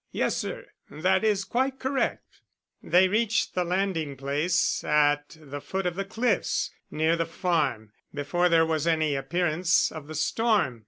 "Yes, sir. That is quite correct." "They reached the landing place at the foot of the cliffs, near the farm, before there was any appearance of the storm.